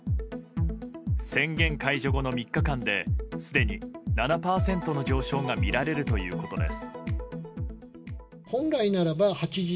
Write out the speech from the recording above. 宣言解除後の３日間ですでに７％の上昇が見られるということです。